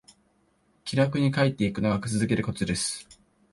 気楽に書いていくのが続けるコツです